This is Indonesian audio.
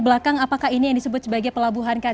kebelakang apakah ini yang disebut sebagai pelabuhan kcn pak